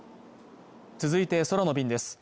続いて空の便です